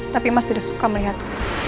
tapi emas tidak suka melihat